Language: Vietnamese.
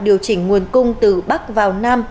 điều chỉnh nguồn cung từ bắc vào nam